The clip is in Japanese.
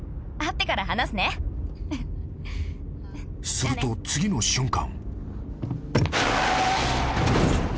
［すると次の瞬間］